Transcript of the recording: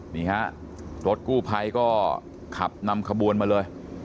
รถกู้ไพรก็ขับนำขบวนมาเลย